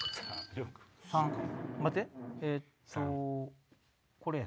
３待って。